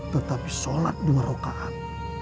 tetapi sholat dua rokaat